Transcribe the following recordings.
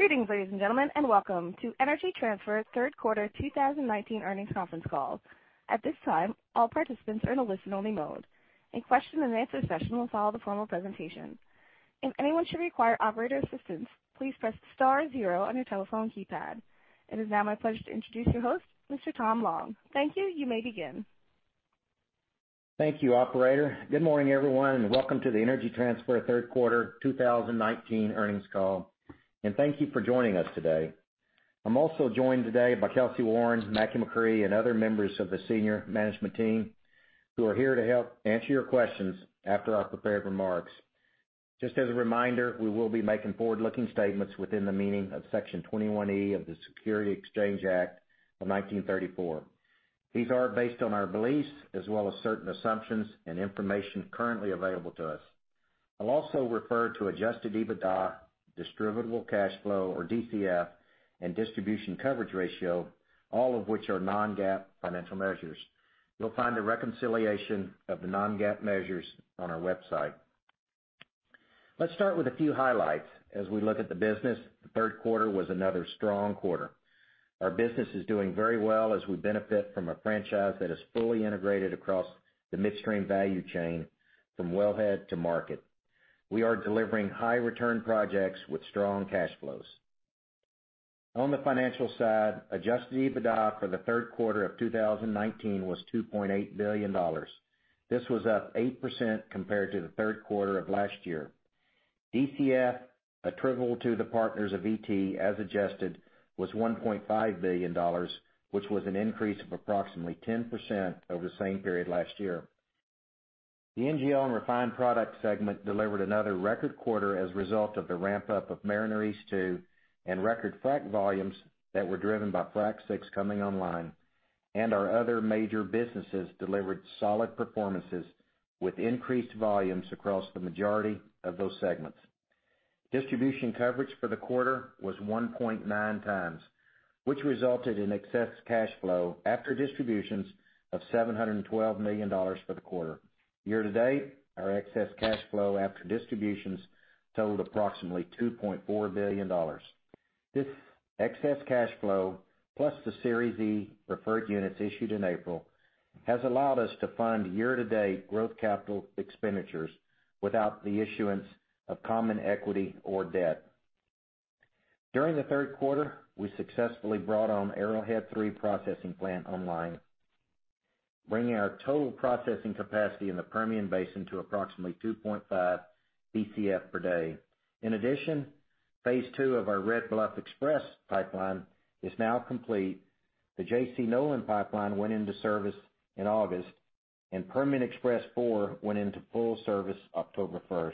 Greetings, ladies and gentlemen, and welcome to Energy Transfer 3rd quarter 2019 earnings conference call. At this time, all participants are in a listen-only mode. A question-and-answer session will follow the formal presentation. If anyone should require operator assistance, please press star zero on your telephone keypad. It is now my pleasure to introduce your host, Mr. Tom Long. Thank you. You may begin. Thank you, operator. Good morning, everyone, and welcome to the Energy Transfer third quarter 2019 earnings call. Thank you for joining us today. I'm also joined today by Kelcy Warren, Mackie McCrea, and other members of the senior management team who are here to help answer your questions after our prepared remarks. Just as a reminder, we will be making forward-looking statements within the meaning of Section 21(E) of the Securities Exchange Act of 1934. These are based on our beliefs as well as certain assumptions and information currently available to us. I'll also refer to adjusted EBITDA, distributable cash flow or DCF, and distribution coverage ratio, all of which are non-GAAP financial measures. You'll find a reconciliation of the non-GAAP measures on our website. Let's start with a few highlights. As we look at the business, the third quarter was another strong quarter. Our business is doing very well as we benefit from a franchise that is fully integrated across the midstream value chain from wellhead to market. We are delivering high return projects with strong cash flows. On the financial side, adjusted EBITDA for the third quarter of 2019 was $2.8 billion. This was up 8% compared to the third quarter of last year. DCF attributable to the partners of ET as adjusted was $1.5 billion, which was an increase of approximately 10% over the same period last year. The NGL and refined products segment delivered another record quarter as a result of the ramp-up of Mariner East 2 and record frac volumes that were driven by Frac VI coming online. Our other major businesses delivered solid performances with increased volumes across the majority of those segments. Distribution coverage for the quarter was 1.9x, which resulted in excess cash flow after distributions of $712 million for the quarter. Year-to-date, our excess cash flow after distributions totaled approximately $2.4 billion. This excess cash flow, plus the Series E preferred units issued in April, has allowed us to fund year-to-date growth capital expenditures without the issuance of common equity or debt. During the third quarter, we successfully brought on Arrowhead III processing plant online, bringing our total processing capacity in the Permian Basin to approximately 2.5 Bcf/d. In addition, phase II of our Red Bluff Express Pipeline is now complete. The J.C. Nolan Pipeline went into service in August, and Permian Express IV went into full service October 1st.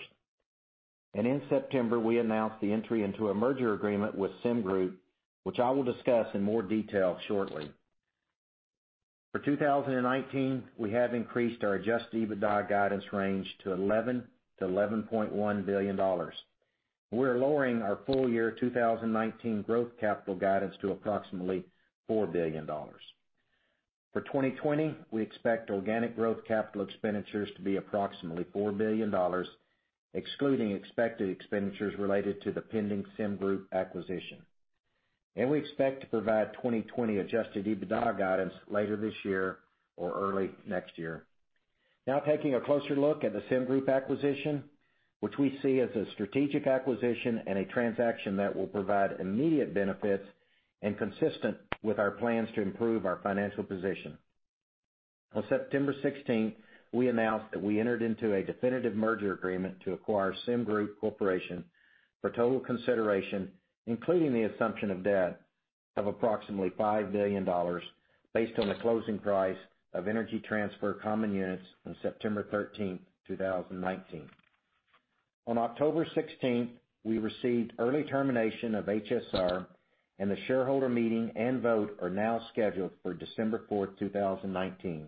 In September, we announced the entry into a merger agreement with SemGroup, which I will discuss in more detail shortly. For 2019, we have increased our adjusted EBITDA guidance range to $11 billion-$11.1 billion. We're lowering our full year 2019 growth capital guidance to approximately $4 billion. For 2020, we expect organic growth capital expenditures to be approximately $4 billion, excluding expected expenditures related to the pending SemGroup acquisition. We expect to provide 2020 adjusted EBITDA guidance later this year or early next year. Now taking a closer look at the SemGroup acquisition, which we see as a strategic acquisition and a transaction that will provide immediate benefits and consistent with our plans to improve our financial position. On September 16th, we announced that we entered into a definitive merger agreement to acquire SemGroup Corporation for total consideration, including the assumption of debt of approximately $5 billion based on the closing price of Energy Transfer common units on September 13th, 2019. On October 16th, we received early termination of HSR and the shareholder meeting and vote are now scheduled for December 4th, 2019.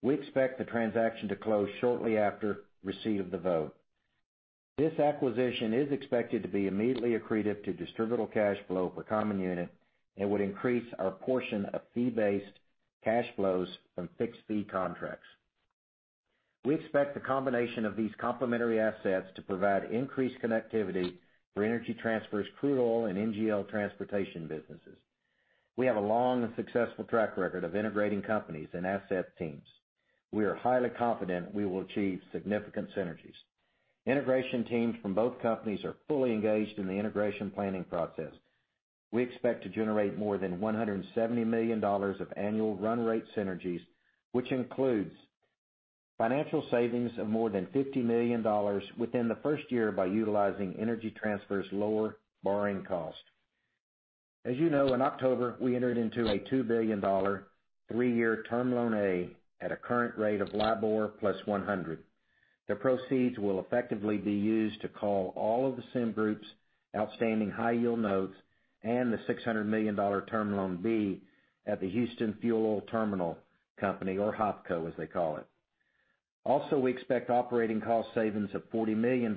We expect the transaction to close shortly after receive the vote. This acquisition is expected to be immediately accretive to distributable cash flow per common unit and would increase our portion of fee-based cash flows from fixed fee contracts. We expect the combination of these complementary assets to provide increased connectivity for Energy Transfer's crude oil and NGL transportation businesses. We have a long and successful track record of integrating companies and asset teams. We are highly confident we will achieve significant synergies. Integration teams from both companies are fully engaged in the integration planning process. We expect to generate more than $170 million of annual run rate synergies, which includes financial savings of more than $50 million within the first year by utilizing Energy Transfer's lower borrowing cost. As you know, in October, we entered into a $2 billion three-year Term Loan A at a current rate of LIBOR + 100 basis points. The proceeds will effectively be used to call all of the SemGroup's outstanding high-yield notes and the $600 million Term Loan B at the Houston Fuel Oil Terminal Company or HFOTCO, as they call it. We expect operating cost savings of $40 million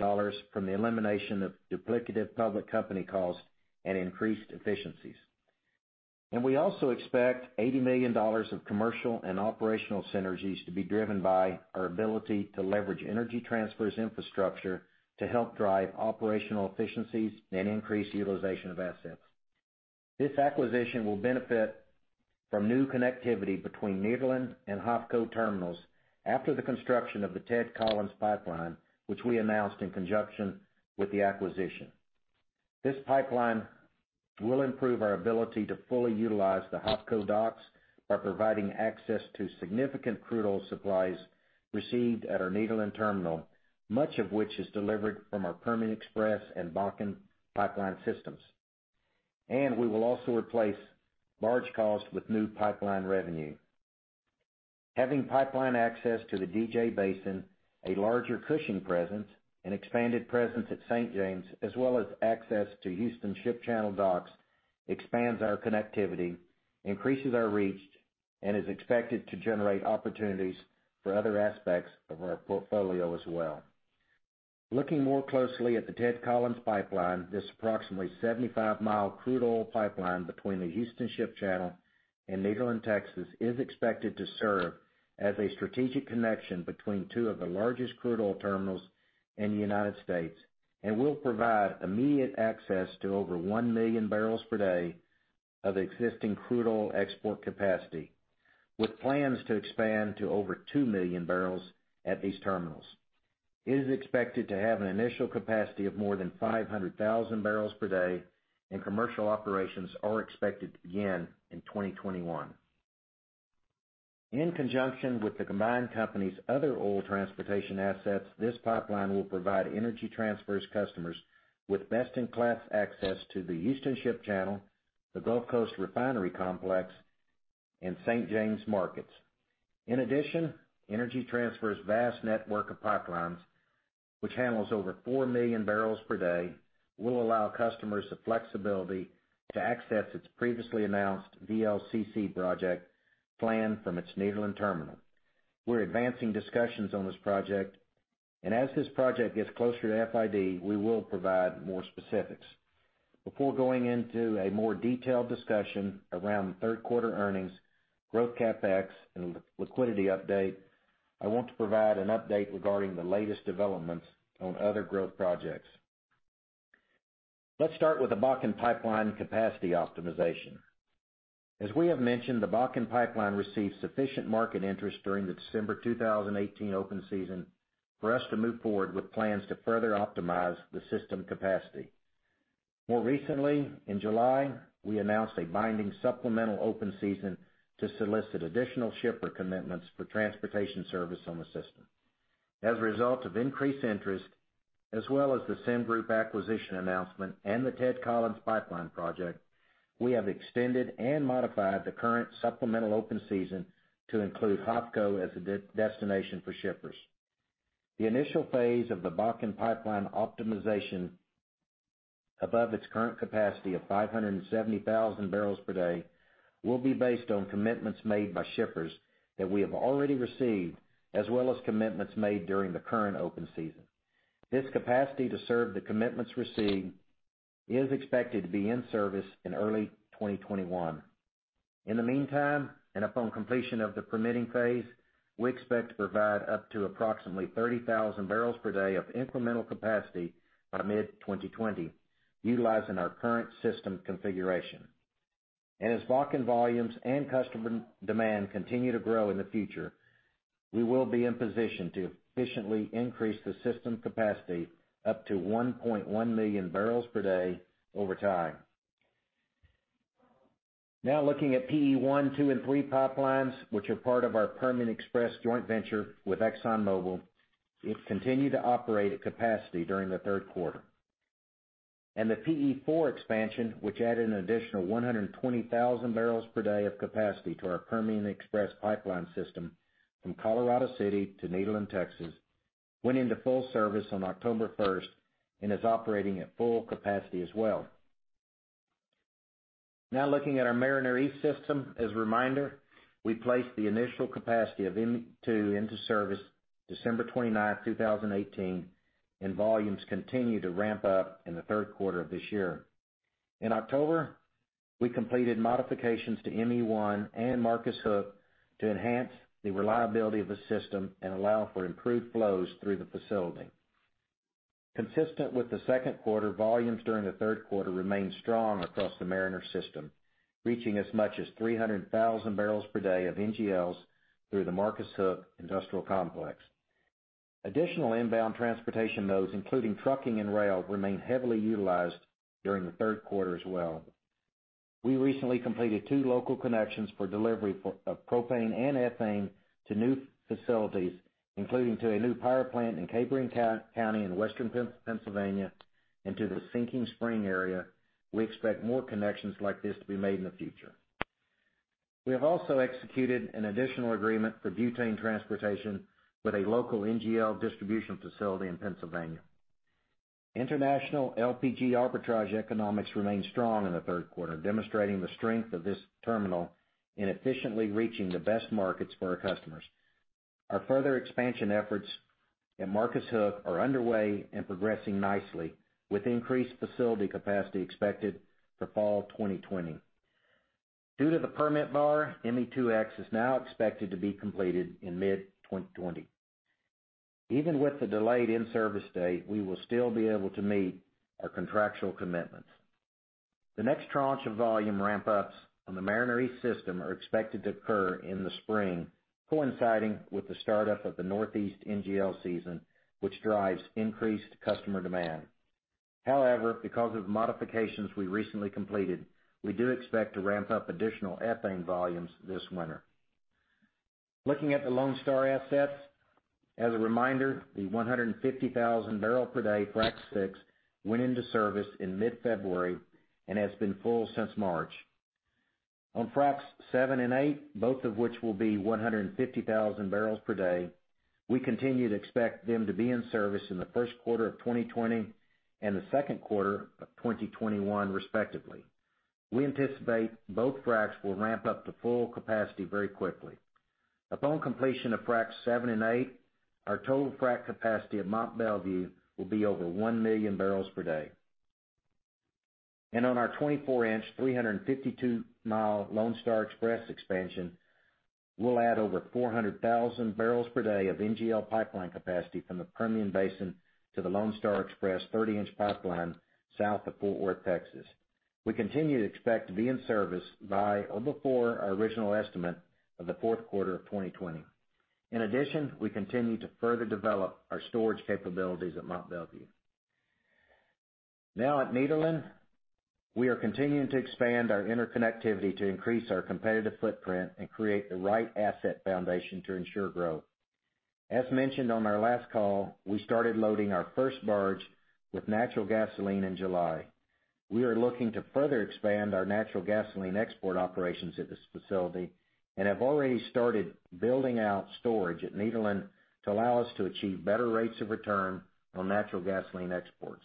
from the elimination of duplicative public company costs and increased efficiencies. We also expect $80 million of commercial and operational synergies to be driven by our ability to leverage Energy Transfer's infrastructure to help drive operational efficiencies and increase utilization of assets. This acquisition will benefit from new connectivity between Nederland and HFOTCO terminals after the construction of the Ted Collins Pipeline, which we announced in conjunction with the acquisition. This pipeline will improve our ability to fully utilize the HFOTCO docks by providing access to significant crude oil supplies received at our Nederland terminal, much of which is delivered from our Permian Express and Bakken Pipeline systems. We will also replace large costs with new pipeline revenue. Having pipeline access to the DJ Basin, a larger Cushing presence, an expanded presence at St. James, as well as access to Houston Ship Channel docks expands our connectivity, increases our reach, and is expected to generate opportunities for other aspects of our portfolio as well. Looking more closely at the Ted Collins Pipeline, this approximately 75 mi crude oil pipeline between the Houston Ship Channel and Nederland, Texas, is expected to serve as a strategic connection between two of the largest crude oil terminals in the U.S., and will provide immediate access to over 1 MMbpd of existing crude oil export capacity, with plans to expand to over 2 MMbpd at these terminals. It is expected to have an initial capacity of more than 500,000 bpd, and commercial operations are expected to begin in 2021. In conjunction with the combined company's other oil transportation assets, this pipeline will provide Energy Transfer's customers with best-in-class access to the Houston Ship Channel, the Gulf Coast refinery complex, and St. James markets. In addition, Energy Transfer's vast network of pipelines, which handles over 4 MMbpd, will allow customers the flexibility to access its previously announced VLCC project planned from its Nederland terminal. We're advancing discussions on this project, as this project gets closer to FID, we will provide more specifics. Before going into a more detailed discussion around third quarter earnings, growth CapEx, and liquidity update, I want to provide an update regarding the latest developments on other growth projects. Let's start with the Bakken Pipeline capacity optimization. As we have mentioned, the Bakken Pipeline received sufficient market interest during the December 2018 open season for us to move forward with plans to further optimize the system capacity. More recently, in July, we announced a binding supplemental open season to solicit additional shipper commitments for transportation service on the system. As a result of increased interest, as well as the SemGroup acquisition announcement and the Ted Collins Pipeline project, we have extended and modified the current supplemental open season to include HFOTCO as a destination for shippers. The initial phase of the Bakken Pipeline optimization above its current capacity of 570,000 bpd will be based on commitments made by shippers that we have already received, as well as commitments made during the current open season. This capacity to serve the commitments received is expected to be in service in early 2021. In the meantime, upon completion of the permitting phase, we expect to provide up to approximately 30,000 bpd of incremental capacity by mid-2020, utilizing our current system configuration. As Bakken volumes and customer demand continue to grow in the future, we will be in position to efficiently increase the system capacity up to 1.1 MMbpd over time. Now looking at PE1, PE2, and PE3 pipelines, which are part of our Permian Express joint venture with Exxon Mobil. It continued to operate at capacity during the third quarter. The PE4 expansion, which added an additional 120,000 bpd of capacity to our Permian Express pipeline system from Colorado City to Nederland, Texas, went into full service on October 1st and is operating at full capacity as well. Now looking at our Mariner East system, as a reminder, we placed the initial capacity of ME2 into service December 29th, 2018, and volumes continued to ramp up in the third quarter of this year. In October, we completed modifications to ME1 and Marcus Hook to enhance the reliability of the system and allow for improved flows through the facility. Consistent with the second quarter, volumes during the third quarter remained strong across the Mariner system, reaching as much as 300,000 bpd of NGLs through the Marcus Hook Industrial Complex. Additional inbound transportation nodes, including trucking and rail, remained heavily utilized during the third quarter as well. We recently completed two local connections for delivery of propane and ethane to new facilities, including to a new power plant in Cambria County in Western Pennsylvania and to the Sinking Spring area. We expect more connections like this to be made in the future. We have also executed an additional agreement for butane transportation with a local NGL distribution facility in Pennsylvania. International LPG arbitrage economics remained strong in the third quarter, demonstrating the strength of this terminal in efficiently reaching the best markets for our customers. Our further expansion efforts in Marcus Hook are underway and progressing nicely with increased facility capacity expected for fall 2020. Due to the permit bar, ME2X is now expected to be completed in mid-2020. Even with the delayed in-service date, we will still be able to meet our contractual commitments. The next tranche of volume ramp-ups on the Mariner East system are expected to occur in the spring, coinciding with the start-up of the Northeast NGL season, which drives increased customer demand. Because of modifications we recently completed, we do expect to ramp up additional ethane volumes this winter. Looking at the Lone Star assets, as a reminder, the 150,000 bpd Frac VI went into service in mid-February and has been full since March. On Fracs VII and VIII, both of which will be 150,000 bpd, we continue to expect them to be in service in the first quarter of 2020 and the second quarter of 2021, respectively. We anticipate both fracs will ramp up to full capacity very quickly. Upon completion of Fracs VII and VIII, our total frac capacity at Mont Belvieu will be over 1 MMbpd. On our 24 in, 352 mi Lone Star Express expansion, we'll add over 400,000 bpd of NGL pipeline capacity from the Permian Basin to the Lone Star Express 30 in pipeline south of Fort Worth, Texas. We continue to expect to be in service by or before our original estimate of the fourth quarter of 2020. In addition, we continue to further develop our storage capabilities at Mont Belvieu. Now at Nederland, we are continuing to expand our interconnectivity to increase our competitive footprint and create the right asset foundation to ensure growth. As mentioned on our last call, we started loading our first barge with natural gasoline in July. We are looking to further expand our natural gasoline export operations at this facility and have already started building out storage at Nederland to allow us to achieve better rates of return on natural gasoline exports.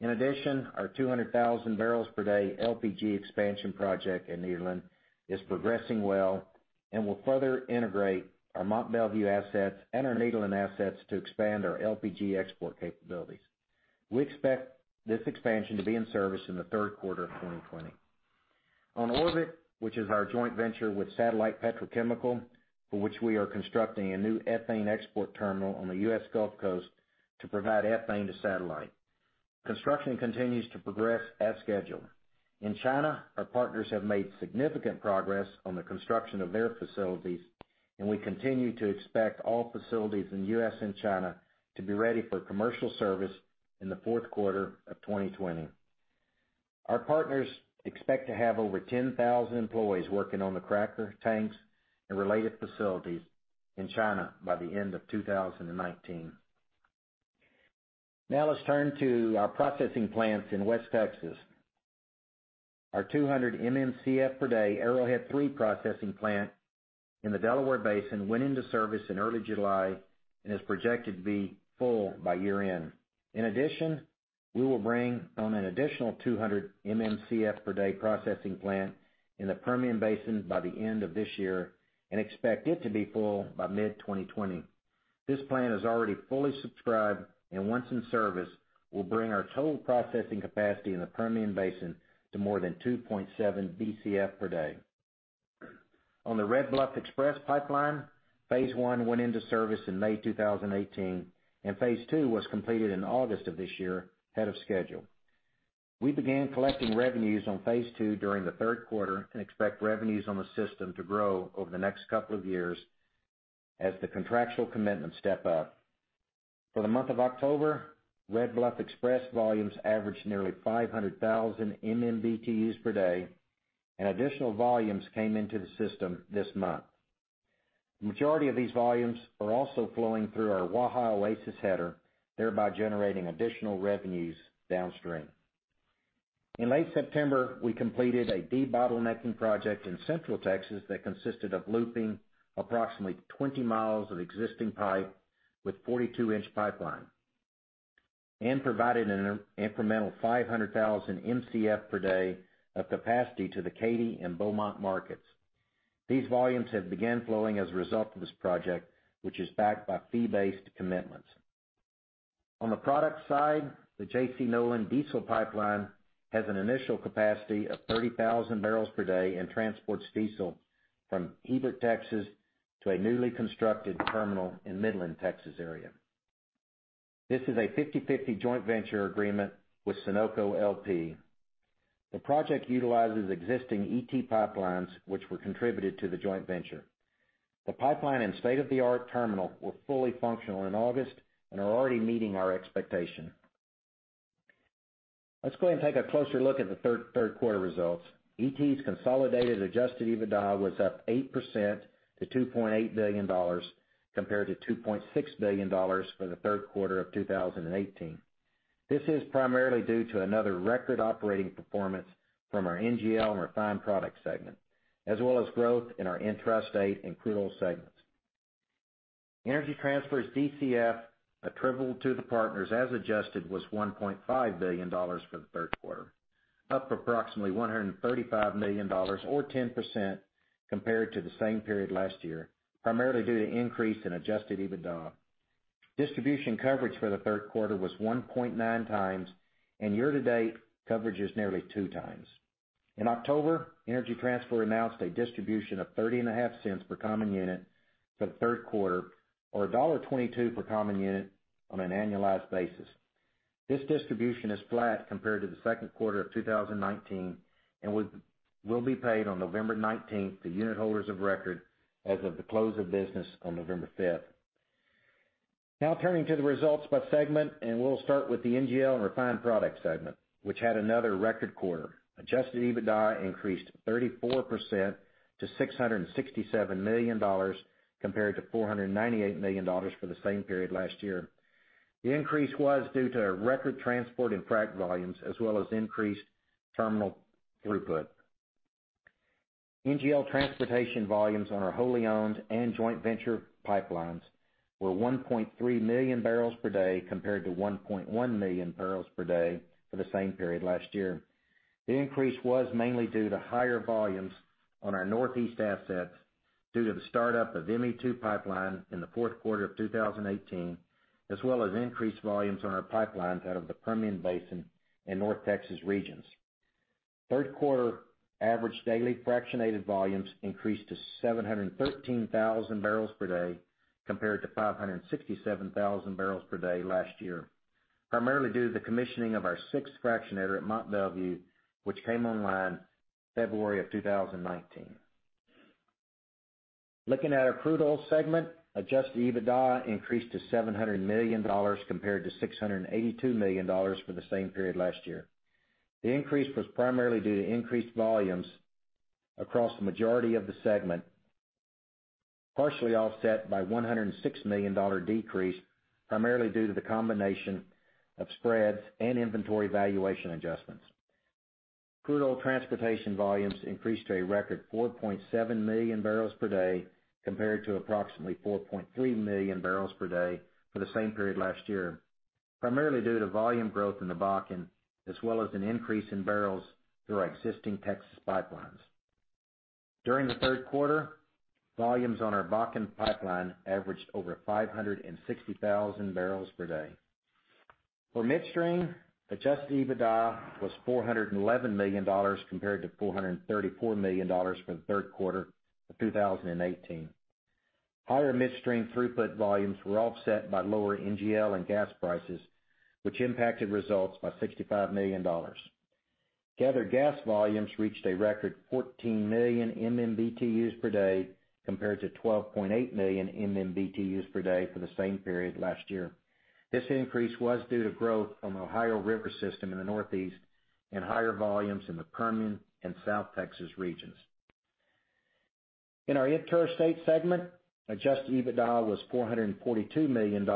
In addition, our 200,000 bpd LPG expansion project in Nederland is progressing well and will further integrate our Mont Belvieu assets and our Nederland assets to expand our LPG export capabilities. We expect this expansion to be in service in the third quarter of 2020. On Orbit, which is our joint venture with Satellite Petrochemical, for which we are constructing a new ethane export terminal on the U.S. Gulf Coast to provide ethane to Satellite. Construction continues to progress as scheduled. In China, our partners have made significant progress on the construction of their facilities, and we continue to expect all facilities in U.S. and China to be ready for commercial service in the fourth quarter of 2020. Our partners expect to have over 10,000 employees working on the cracker tanks and related facilities in China by the end of 2019. Let's turn to our processing plants in West Texas. Our 200 MMcf/d Arrowhead III processing plant in the Delaware Basin went into service in early July and is projected to be full by year-end. In addition, we will bring on an additional 200 MMcf/d processing plant in the Permian Basin by the end of this year and expect it to be full by mid-2020. This plant is already fully subscribed, and once in service, will bring our total processing capacity in the Permian Basin to more than 2.7 Bcf/d. On the Red Bluff Express pipeline, phase I went into service in May 2018, and phase II was completed in August of this year, ahead of schedule. We began collecting revenues on phase II during the third quarter and expect revenues on the system to grow over the next couple of years as the contractual commitments step up. For the month of October, Red Bluff Express volumes averaged nearly 500,000 MMbtu/d, and additional volumes came into the system this month. The majority of these volumes are also flowing through our Waha Oasis header, thereby generating additional revenues downstream. In late September, we completed a debottlenecking project in Central Texas that consisted of looping approximately 20 mi of existing pipe with 42 in pipeline and provided an incremental 500,000 Mcf per day of capacity to the Katy and Beaumont markets. These volumes have begun flowing as a result of this project, which is backed by fee-based commitments. On the product side, the J.C. Nolan Diesel Pipeline has an initial capacity of 30,000 bpd and transports diesel from Hebert, Texas, to a newly constructed terminal in Midland, Texas, area. This is a 50/50 joint venture agreement with Sunoco LP. The project utilizes existing ET pipelines, which were contributed to the joint venture. The pipeline and state-of-the-art terminal were fully functional in August and are already meeting our expectation. Let's go ahead and take a closer look at the third quarter results. ET's consolidated adjusted EBITDA was up 8% to $2.8 billion, compared to $2.6 billion for the third quarter of 2018. This is primarily due to another record operating performance from our NGL and refined product segment, as well as growth in our Intrastate and Crude Oil segments. Energy Transfer's DCF attributable to the partners as adjusted was $1.5 billion for the third quarter. Up approximately $135 million or 10% compared to the same period last year, primarily due to increase in adjusted EBITDA. Distribution coverage for the third quarter was 1.9x, and year to date coverage is nearly 2x. In October, Energy Transfer announced a distribution of $0.305 per common unit for the third quarter, or $1.22 per common unit on an annualized basis. This distribution is flat compared to the second quarter of 2019 and will be paid on November 19th to unit holders of record as of the close of business on November 5th. Now turning to the results by segment, we'll start with the NGL and refined products segment, which had another record quarter. Adjusted EBITDA increased 34% to $667 million, compared to $498 million for the same period last year. The increase was due to record transport and frac volumes, as well as increased terminal throughput. NGL transportation volumes on our wholly owned and joint venture pipelines were 1.3 MMbpd, compared to 1.1 MMbpd for the same period last year. The increase was mainly due to higher volumes on our Northeast assets due to the start-up of ME2 Pipeline in the fourth quarter of 2018, as well as increased volumes on our pipelines out of the Permian Basin in North Texas regions. Third quarter average daily fractionated volumes increased to 713,000 bpd, compared to 567,000 bpd last year, primarily due to the commissioning of our sixth fractionator at Mont Belvieu, which came online February of 2019. Looking at our crude oil segment, adjusted EBITDA increased to $700 million, compared to $682 million for the same period last year. The increase was primarily due to increased volumes across the majority of the segment, partially offset by a $106 million decrease, primarily due to the combination of spreads and inventory valuation adjustments. Crude oil transportation volumes increased to a record 4.7 MMbpd, compared to approximately 4.3 MMbpd for the same period last year, primarily due to volume growth in the Bakken, as well as an increase in barrels through our existing Texas pipelines. During the third quarter, volumes on our Bakken Pipeline averaged over 560,000 bpd. For midstream, adjusted EBITDA was $411 million compared to $434 million for the third quarter of 2018. Higher midstream throughput volumes were offset by lower NGL and gas prices, which impacted results by $65 million. Gathered gas volumes reached a record 14 million MMbtu/d, compared to 12.8 million MMbtu/d for the same period last year. This increase was due to growth from the Ohio River System in the Northeast and higher volumes in the Permian and South Texas regions. In our interstate segment, adjusted EBITDA was $442 million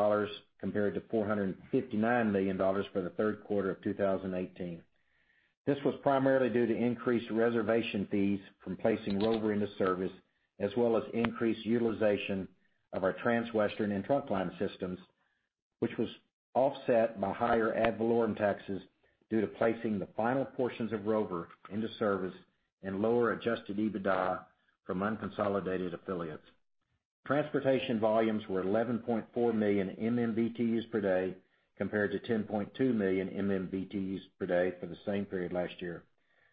compared to $459 million for the third quarter of 2018. This was primarily due to increased reservation fees from placing Rover into service, as well as increased utilization of our Transwestern and Trunkline systems, which was offset by higher ad valorem taxes due to placing the final portions of Rover into service and lower adjusted EBITDA from unconsolidated affiliates. Transportation volumes were 11.4 million MMBTU's per day compared to 10.2 million MMBTU's per day for the same period last year,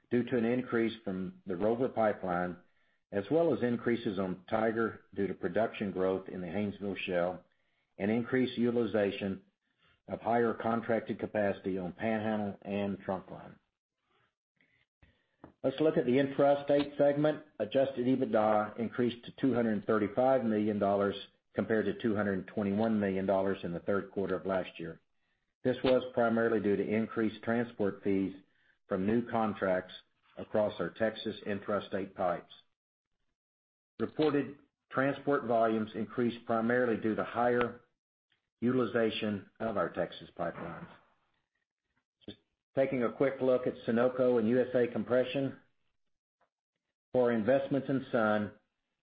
due to an increase from the Rover pipeline, as well as increases on Tiger due to production growth in the Haynesville Shale and increased utilization of higher contracted capacity on Panhandle and Trunkline. Let's look at the intrastate segment. Adjusted EBITDA increased to $235 million, compared to $221 million in the third quarter of last year. This was primarily due to increased transport fees from new contracts across our Texas intrastate pipes. Reported transport volumes increased primarily due to higher utilization of our Texas pipelines. Just taking a quick look at Sunoco and USA Compression. For investments in Sun,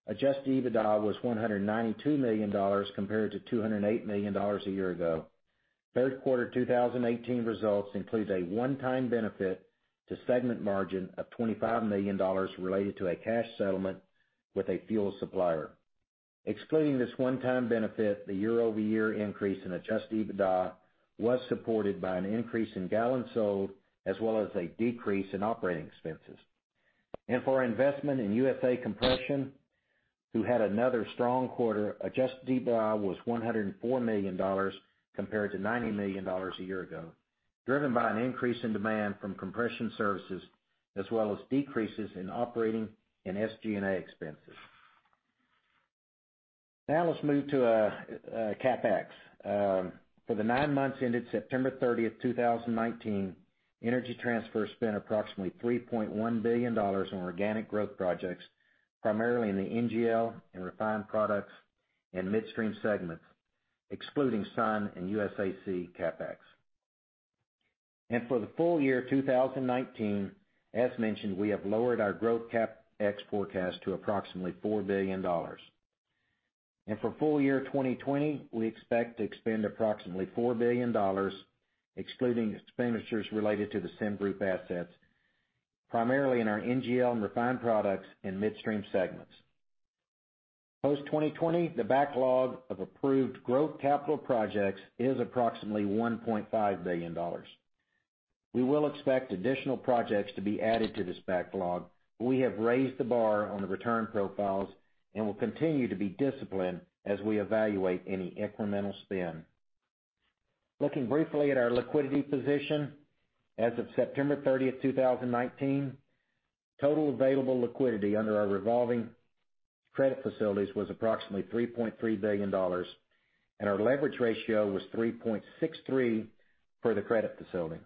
adjusted EBITDA was $192 million compared to $208 million a year ago. Third quarter 2018 results includes a one-time benefit to segment margin of $25 million related to a cash settlement with a fuel supplier. Excluding this one-time benefit, the year-over-year increase in adjusted EBITDA was supported by an increase in gallons sold, as well as a decrease in operating expenses. For our investment in USA Compression, who had another strong quarter, adjusted EBITDA was $104 million compared to $90 million a year ago, driven by an increase in demand from compression services, as well as decreases in operating and SG&A expenses. Now let's move to our CapEx. For the nine months ended September 30th, 2019, Energy Transfer spent approximately $3.1 billion on organic growth projects, primarily in the NGL and refined products and midstream segments, excluding Sun and USAC CapEx. For the full year 2019, as mentioned, we have lowered our growth CapEx forecast to approximately $4 billion. For full year 2020, we expect to spend approximately $4 billion, excluding expenditures related to the SemGroup assets, primarily in our NGL and refined products and midstream segments. Post 2020, the backlog of approved growth capital projects is approximately $1.5 billion. We will expect additional projects to be added to this backlog. We have raised the bar on the return profiles and will continue to be disciplined as we evaluate any incremental spend. Looking briefly at our liquidity position. As of September 30th, 2019, total available liquidity under our revolving credit facilities was approximately $3.3 billion, and our leverage ratio was 3.63 for the credit facility.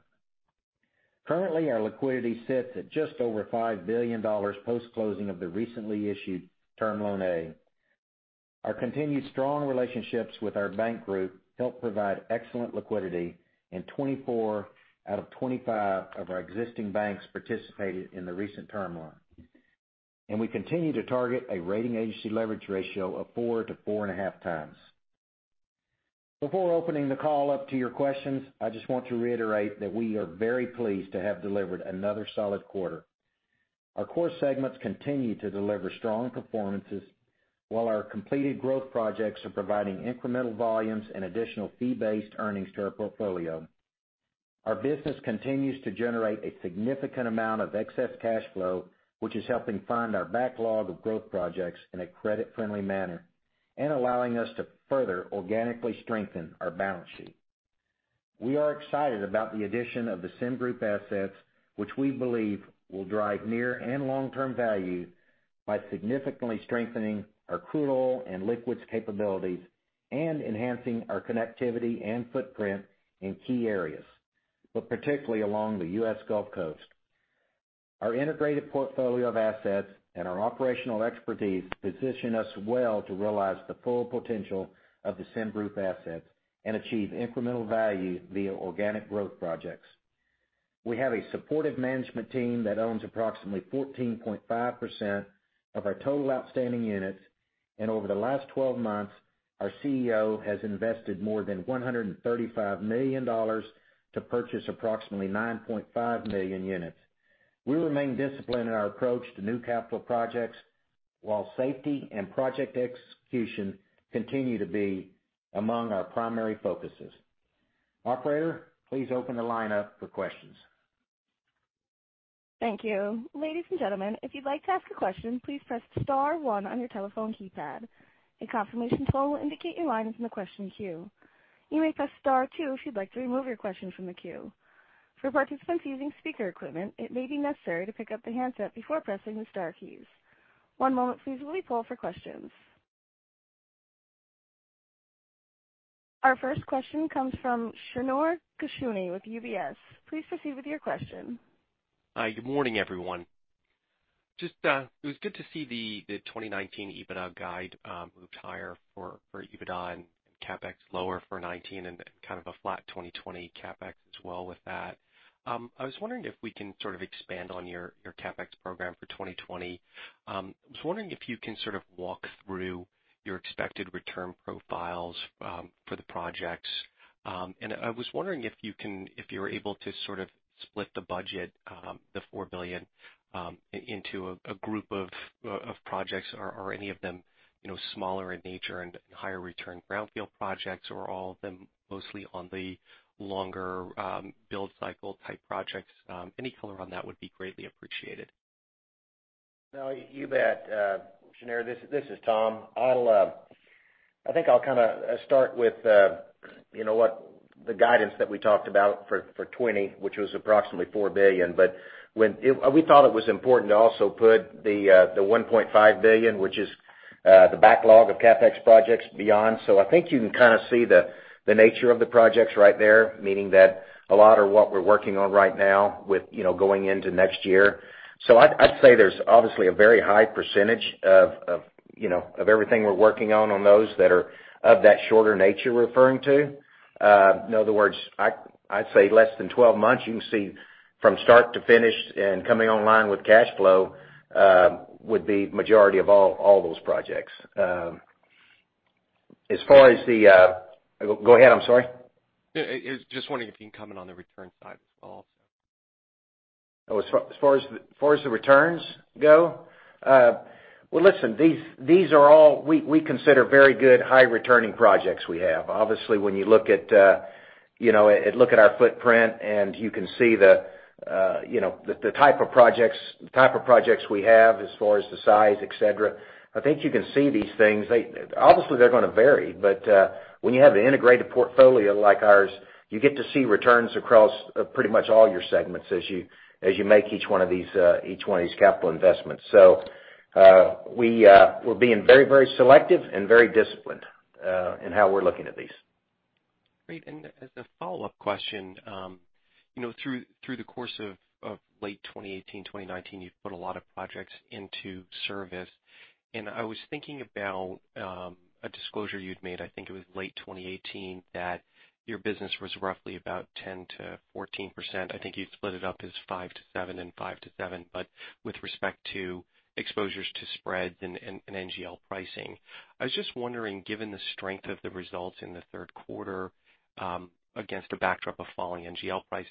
Currently, our liquidity sits at just over $5 billion post-closing of the recently issued Term Loan A. Our continued strong relationships with our bank group help provide excellent liquidity, and 24 out of 25 of our existing banks participated in the recent term loan. We continue to target a rating agency leverage ratio of 4x-4.5x. Before opening the call up to your questions, I just want to reiterate that we are very pleased to have delivered another solid quarter. Our core segments continue to deliver strong performances while our completed growth projects are providing incremental volumes and additional fee-based earnings to our portfolio. Our business continues to generate a significant amount of excess cash flow, which is helping fund our backlog of growth projects in a credit-friendly manner and allowing us to further organically strengthen our balance sheet. We are excited about the addition of the SemGroup assets, which we believe will drive near and long-term value by significantly strengthening our crude oil and liquids capabilities and enhancing our connectivity and footprint in key areas, but particularly along the U.S. Gulf Coast. Our integrated portfolio of assets and our operational expertise position us well to realize the full potential of the SemGroup assets and achieve incremental value via organic growth projects. We have a supportive management team that owns approximately 14.5% of our total outstanding units, and over the last 12 months, our CEO has invested more than $135 million to purchase approximately 9.5 million units. We remain disciplined in our approach to new capital projects, while safety and project execution continue to be among our primary focuses. Operator, please open the line up for questions. Thank you. Ladies and gentlemen, if you'd like to ask a question, please press star one on your telephone keypad. A confirmation tone will indicate your line is in the question queue. You may press star two if you'd like to remove your question from the queue. For participants using speaker equipment, it may be necessary to pick up the handset before pressing the star keys. One moment please, while we poll for questions. Our first question comes from Shneur Gershuni with UBS. Please proceed with your question. Hi. Good morning, everyone. It was good to see the 2019 EBITDA guide moved higher for EBITDA and CapEx lower for 2019 and kind of a flat 2020 CapEx as well with that. I was wondering if we can sort of expand on your CapEx program for 2020. I was wondering if you can sort of walk through your expected return profiles for the projects. I was wondering if you were able to sort of split the budget, the $4 billion, into a group of projects or are any of them smaller in nature and higher return brownfield projects? Are all of them mostly on the longer build cycle type projects? Any color on that would be greatly appreciated. No, you bet. Shneur, this is Tom. I think I'll kind of start with the guidance that we talked about for 2020, which was approximately $4 billion. We thought it was important to also put the $1.5 billion, which is the backlog of CapEx projects beyond. I think you can kind of see the nature of the projects right there, meaning that a lot of what we're working on right now with going into next year. I'd say there's obviously a very high percentage of everything we're working on those that are of that shorter nature we're referring to. In other words, I'd say less than 12 months, you can see from start to finish and coming online with cash flow would be majority of all those projects. Go ahead, I'm sorry. Yeah, just wondering if you can comment on the return side as well? Oh, as far as the returns go, well, listen, these are all we consider very good high-returning projects we have. Obviously, when you look at our footprint, and you can see the type of projects we have as far as the size, et cetera. I think you can see these things. Obviously, they're going to vary, but when you have an integrated portfolio like ours, you get to see returns across pretty much all your segments as you make each one of these capital investments. We're being very selective and very disciplined in how we're looking at these. Great. As a follow-up question, through the course of late 2018, 2019, you've put a lot of projects into service. I was thinking about a disclosure you'd made, I think it was late 2018, that your business was roughly about 10%-14%. I think you'd split it up as 5%-7% and 5%-7%, but with respect to exposures to spreads and NGL pricing. I was just wondering, given the strength of the results in the third quarter against a backdrop of falling NGL prices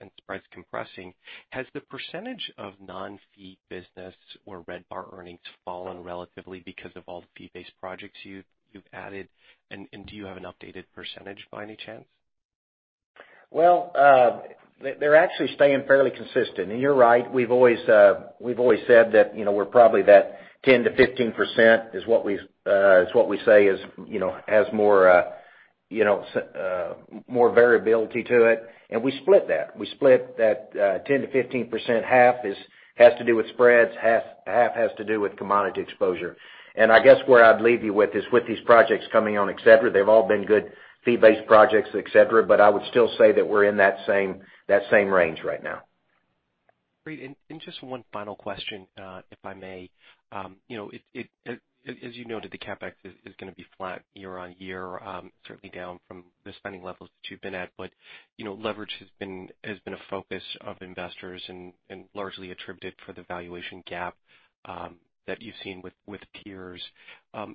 and spreads compressing, has the percentage of non-fee business or red bar earnings fallen relatively because of all the fee-based projects you've added? Do you have an updated percentage by any chance? Well, they're actually staying fairly consistent. You're right, we've always said that we're probably that 10%-15%, is what we say has more variability to it. We split that. We split that 10%-15%, half has to do with spreads, half has to do with commodity exposure. I guess where I'd leave you with is with these projects coming on, et cetera, they've all been good fee-based projects, et cetera, but I would still say that we're in that same range right now. Great. Just one final question, if I may. As you noted, the CapEx is going to be flat year-on-year, certainly down from the spending levels that you've been at. Leverage has been a focus of investors and largely attributed for the valuation gap that you've seen with peers.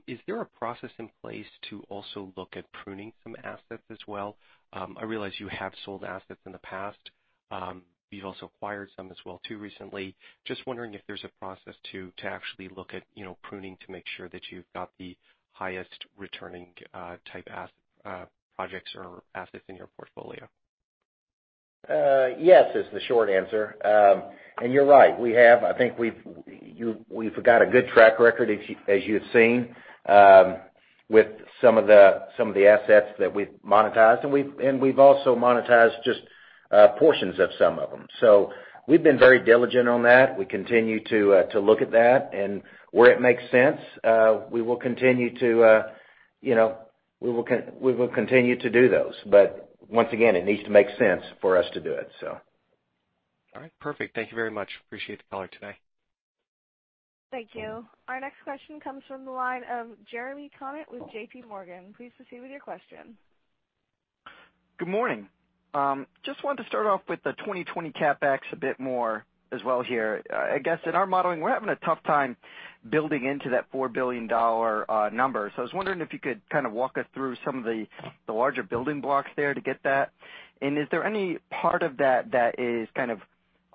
Is there a process in place to also look at pruning some assets as well? I realize you have sold assets in the past. You've also acquired some as well too recently. Just wondering if there's a process to actually look at pruning to make sure that you've got the highest returning type projects or assets in your portfolio. Yes, is the short answer. You're right. I think we've got a good track record as you've seen with some of the assets that we've monetized. We've also monetized just portions of some of them. We've been very diligent on that. We continue to look at that, and where it makes sense, we will continue to do those. Once again, it needs to make sense for us to do it. All right. Perfect. Thank you very much. Appreciate the call today. Thank you. Our next question comes from the line of Jeremy Tonet with JPMorgan. Please proceed with your question. Good morning. Just wanted to start off with the 2020 CapEx a bit more as well here. I guess in our modeling, we're having a tough time building into that $4 billion number. I was wondering if you could walk us through some of the larger building blocks there to get that. Is there any part of that that is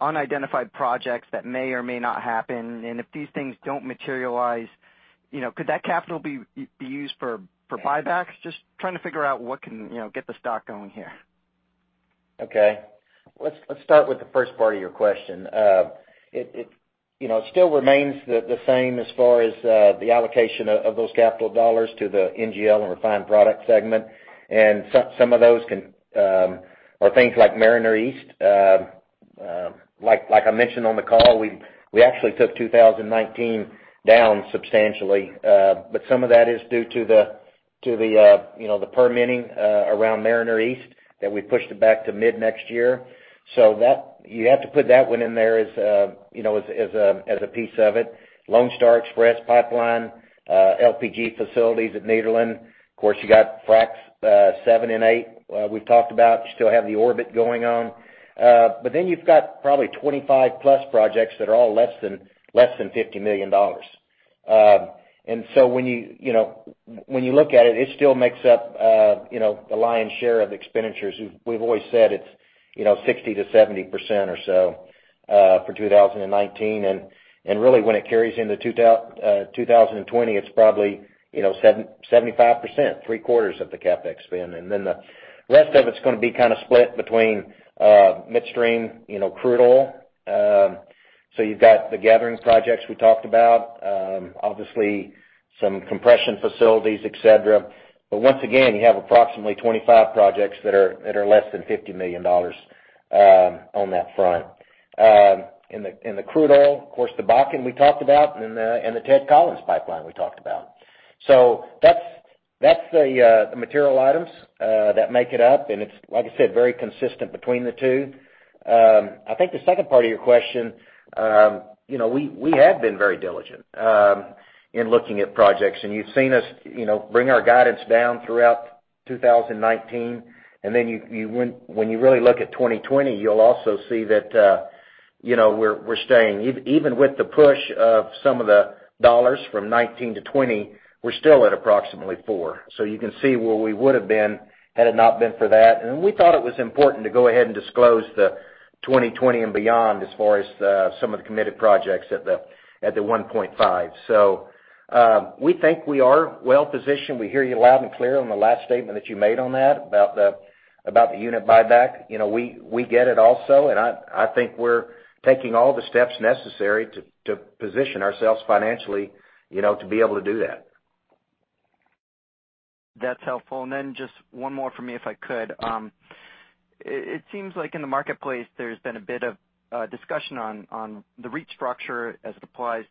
unidentified projects that may or may not happen? If these things don't materialize, could that capital be used for buybacks? Just trying to figure out what can get the stock going here. Let's start with the first part of your question. It still remains the same as far as the allocation of those capital dollars to the NGL and refined product segment. Some of those are things like Mariner East. Like I mentioned on the call, we actually took 2019 down substantially. Some of that is due to the permitting around Mariner East that we pushed it back to mid next year. You have to put that one in there as a piece of it. Lone Star Express pipeline, LPG facilities at Nederland. Of course, you got Fracs VII and VIII we've talked about. You still have the Orbit going on. You've got probably 25+ projects that are all less than $50 million. When you look at it still makes up the lion's share of expenditures. We've always said it's 60%-70% or so for 2019. Really when it carries into 2020, it's probably 75%, three quarters of the CapEx spend. Then the rest of it's going to be split between midstream crude oil. You've got the gathering projects we talked about. Obviously some compression facilities, et cetera. Once again, you have approximately 25 projects that are less than $50 million on that front. In the crude oil, of course the Bakken we talked about, and the Ted Collins Pipeline we talked about. That's the material items that make it up. It's, like I said, very consistent between the two. I think the second part of your question, we have been very diligent in looking at projects. You've seen us bring our guidance down throughout 2019. When you really look at 2020, you'll also see that we're staying. Even with the push of some of the dollars from 2019 to 2020, we're still at approximately $4. You can see where we would've been had it not been for that. We thought it was important to go ahead and disclose the 2020 and beyond as far as some of the committed projects at the $1.5. We think we are well positioned. We hear you loud and clear on the last statement that you made on that about the unit buyback. We get it also, and I think we're taking all the steps necessary to position ourselves financially to be able to do that. That's helpful. Just one more from me, if I could. It seems like in the marketplace there's been a bit of discussion on the REIT structure as it applies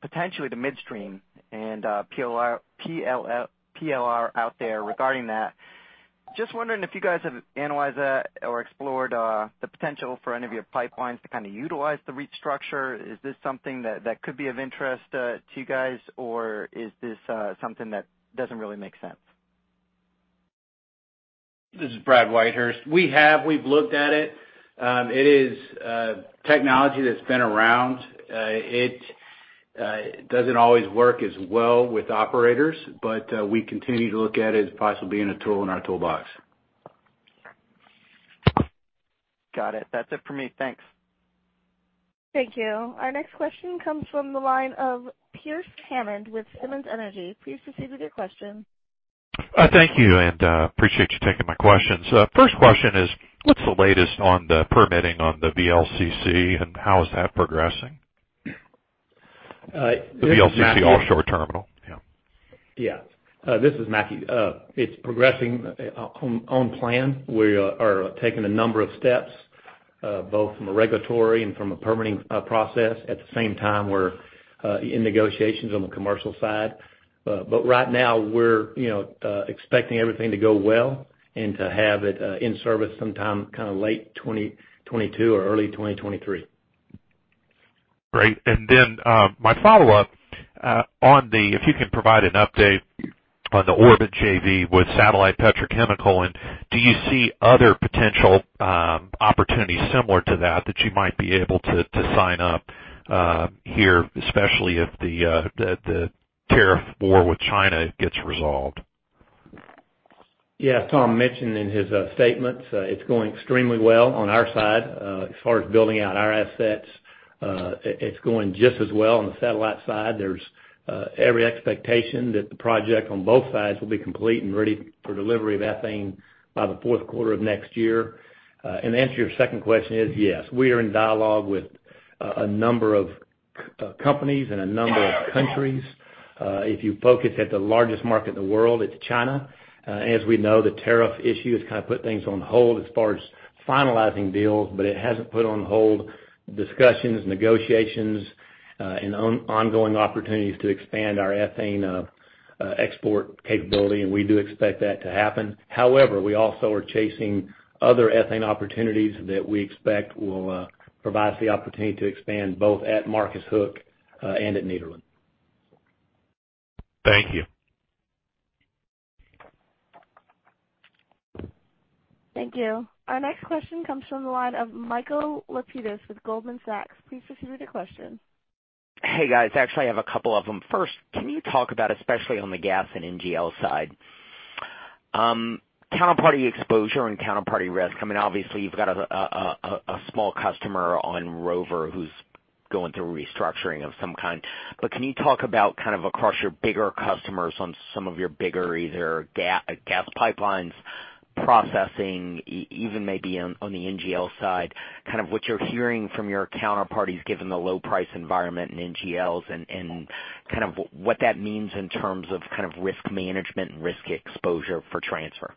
potentially to midstream and PLR out there regarding that. Just wondering if you guys have analyzed that or explored the potential for any of your pipelines to utilize the REIT structure. Is this something that could be of interest to you guys, or is this something that doesn't really make sense? This is Brad Whitehurst. We've looked at it. It is technology that's been around. It doesn't always work as well with operators, but we continue to look at it as possibly being a tool in our toolbox. Got it. That's it for me. Thanks. Thank you. Our next question comes from the line of Pearce Hammond with Simmons Energy. Please proceed with your question. Thank you, and appreciate you taking my questions. First question is, what's the latest on the permitting on the VLCC, and how is that progressing? The VLCC offshore terminal. Yeah. This is Mackie. It's progressing on plan. We are taking a number of steps, both from a regulatory and from a permitting perspective process. At the same time, we're in negotiations on the commercial side. Right now we're expecting everything to go well and to have it in service sometime late 2022 or early 2023. Great. My follow-up, if you can provide an update on the Orbit JV with Satellite Petrochemical, do you see other potential opportunities similar to that you might be able to sign up here, especially if the tariff war with China gets resolved? Yeah, Tom mentioned in his statements, it's going extremely well on our side as far as building out our assets. It's going just as well on the Satellite side. There's every expectation that the project on both sides will be complete and ready for delivery of ethane by the fourth quarter of next year. The answer to your second question is yes. We are in dialogue with a number of companies in a number of countries. If you focus at the largest market in the world, it's China. As we know, the tariff issue has kind of put things on hold as far as finalizing deals, but it hasn't put on hold discussions, negotiations, and ongoing opportunities to expand our ethane export capability, and we do expect that to happen. We also are chasing other ethane opportunities that we expect will provide us the opportunity to expand both at Marcus Hook and at Nederland. Thank you. Thank you. Our next question comes from the line of Michael Lapides with Goldman Sachs. Please proceed with your question. Hey, guys. Actually, I have a couple of them. First, can you talk about, especially on the gas and NGL side, counterparty exposure and counterparty risk? Obviously, you've got a small customer on Rover who's going through restructuring of some kind. Can you talk about across your bigger customers on some of your bigger, either gas pipelines, processing, even maybe on the NGL side? What you're hearing from your counterparties, given the low price environment in NGLs and what that means in terms of risk management and risk exposure for Transfer?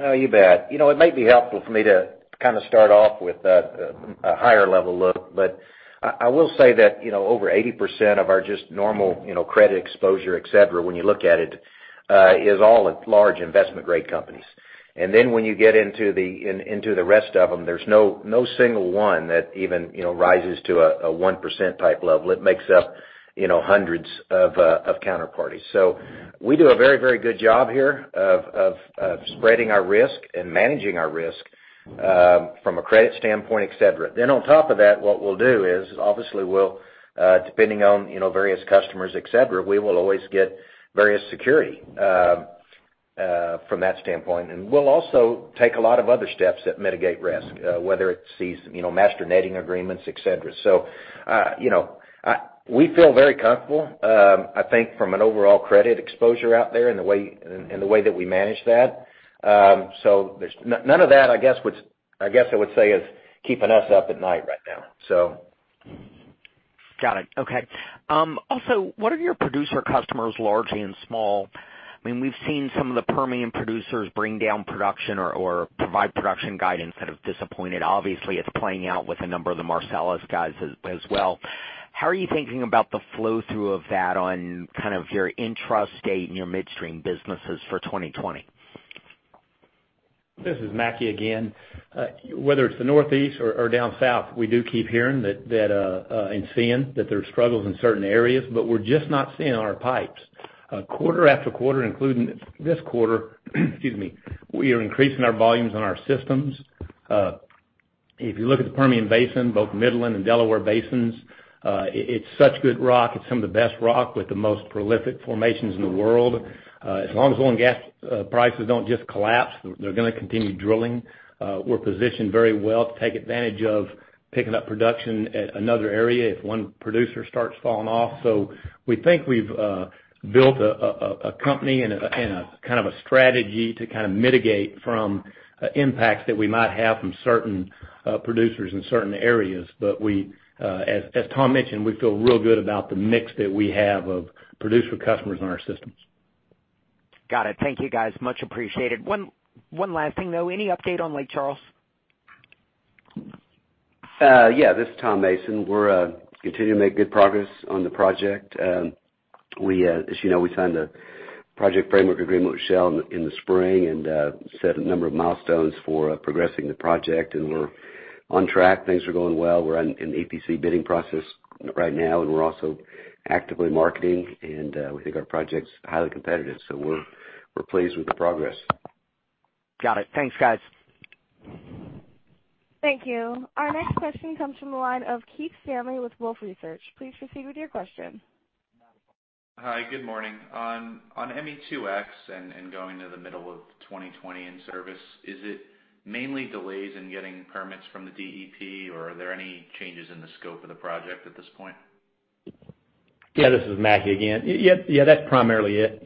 You bet. It might be helpful for me to start off with a higher level look. I will say that over 80% of our just normal credit exposure, et cetera, when you look at it, is all at large investment-grade companies. When you get into the rest of them, there's no single one that even rises to a 1% type level. It makes up hundreds of counterparties. We do a very good job here of spreading our risk and managing our risk from a credit standpoint, et cetera. On top of that, what we'll do is obviously we'll, depending on various customers, et cetera, we will always get various security from that standpoint. We'll also take a lot of other steps that mitigate risk, whether it's these master netting agreements, et cetera. We feel very comfortable, I think from an overall credit exposure out there and the way that we manage that. None of that, I guess I would say is keeping us up at night right now. Got it. Okay. Also, what are your producer customers, largely and small? We've seen some of the Permian producers bring down production or provide production guidance that have disappointed. Obviously, it's playing out with a number of the Marcellus guys as well. How are you thinking about the flow-through of that on your intrastate and your midstream businesses for 2020? This is Mackie again. Whether it's the Northeast or down South, we do keep hearing that and seeing that there's struggles in certain areas, but we're just not seeing it on our pipes. Quarter after quarter, including this quarter, we are increasing our volumes on our systems. If you look at the Permian Basin, both Midland and Delaware Basins, it's such good rock. It's some of the best rock with the most prolific formations in the world. As long as oil and gas prices don't just collapse, they're going to continue drilling. We're positioned very well to take advantage of picking up production at another area if one producer starts falling off. We think we've built a company and a kind of a strategy to mitigate from impacts that we might have from certain producers in certain areas. As Tom mentioned, we feel real good about the mix that we have of producer customers in our systems. Got it. Thank you guys. Much appreciated. One last thing, though. Any update on Lake Charles? Yeah. This is Tom Mason. We're continuing to make good progress on the project. As you know, we signed a project framework agreement with Shell in the spring and set a number of milestones for progressing the project. On track. Things are going well. We're in the EPC bidding process right now, and we're also actively marketing, and we think our project's highly competitive. We're pleased with the progress. Got it. Thanks, guys. Thank you. Our next question comes from the line of Keith Stanley with Wolfe Research. Please proceed with your question. Hi. Good morning. On ME2X and going to the middle of 2020 in service, is it mainly delays in getting permits from the DEP, or are there any changes in the scope of the project at this point? Yeah. This is Mackie again. Yeah, that's primarily it.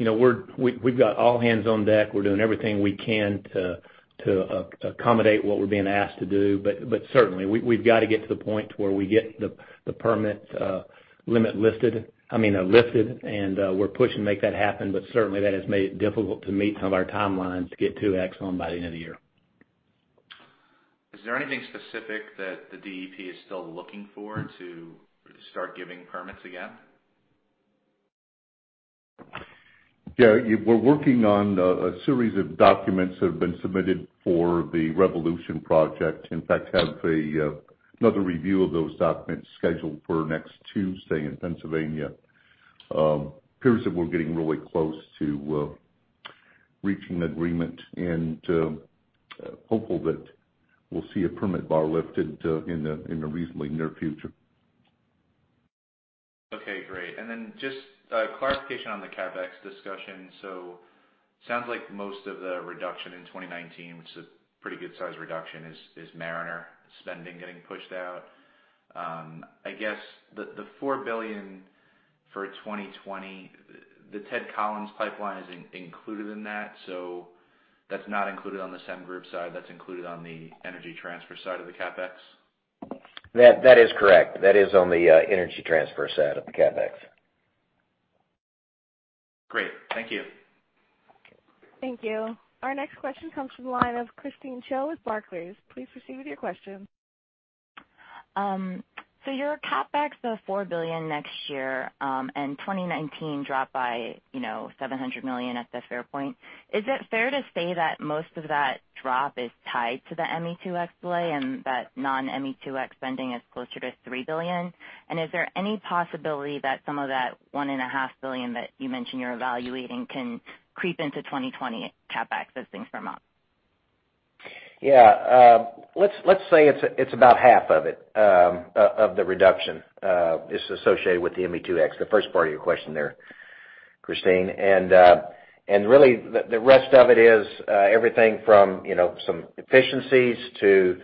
We've got all hands on deck. We're doing everything we can to accommodate what we're being asked to do. Certainly, we've got to get to the point where we get the permit limit lifted. We're pushing to make that happen, but certainly, that has made it difficult to meet some of our timelines to get 2X on by the end of the year. Is there anything specific that the DEP is still looking for to start giving permits again? Yeah. We're working on a series of documents that have been submitted for the Revolution project. In fact, have another review of those documents scheduled for next Tuesday in Pennsylvania. Appears that we're getting really close to reaching an agreement and hopeful that we'll see a permit bar lifted in the reasonably near future. Okay, great. Just clarification on the CapEx discussion. Sounds like most of the reduction in 2019, which is a pretty good size reduction, is Mariner spending getting pushed out. I guess the $4 billion for 2020, the Ted Collins Pipeline is included in that, so that's not included on the SemGroup side, that's included on the Energy Transfer side of the CapEx? That is correct. That is on the Energy Transfer side of the CapEx. Great. Thank you. Thank you. Our next question comes from the line of Christine Cho with Barclays. Please proceed with your question. Your CapEx of $4 billion next year, 2019 dropped by $700 million at the fair point. Is it fair to say that most of that drop is tied to the ME2X delay and that non-ME2X spending is closer to $3 billion? Is there any possibility that some of that $1.5 billion that you mentioned you're evaluating can creep into 2020 CapEx as things firm up? Yeah. Let's say it's about half of it, of the reduction is associated with the ME2X, the first part of your question there, Christine. Really, the rest of it is everything from some efficiencies to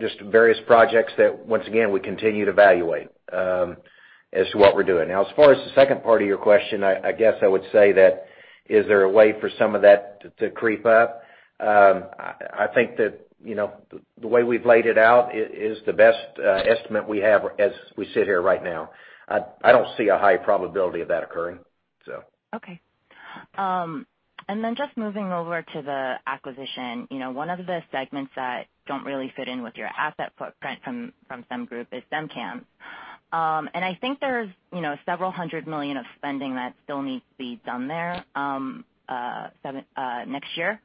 just various projects that, once again, we continue to evaluate as to what we're doing. As far as the second part of your question, I guess I would say that, is there a way for some of that to creep up? I think that the way we've laid it out is the best estimate we have as we sit here right now. I don't see a high probability of that occurring. Okay. Just moving over to the acquisition. One of the segments that don't really fit in with your asset footprint from SemGroup is SemCAMS. I think there's several hundred million dollars of spending that still needs to be done there next year.